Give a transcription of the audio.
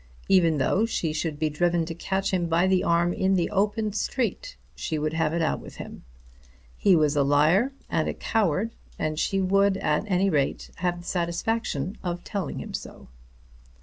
Even though she should be driven to catch him by the arm in the open street, she would have it out with him. He was a liar and a coward, and she would, at any rate, have the satisfaction of telling him so.